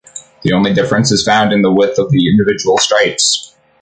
The only difference is found in the width of the individual stripes